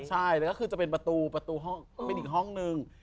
ใช่ก็คือจะเป็นประตูประตูมีอีกห้องนึง